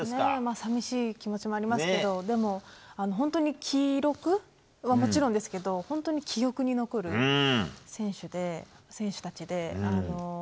寂しい気持ちもありますけど本当に記録はもちろんですけど本当に記憶に残る選手たちで。